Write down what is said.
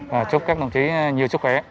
và chúc các đồng chí nhiều sức khỏe